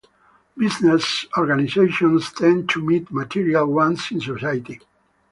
Business organizations tend to meet material wants in society.